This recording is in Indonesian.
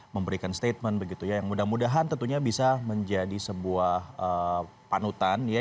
memberikan statement begitu ya yang mudah mudahan tentunya bisa menjadi sebuah panutan ya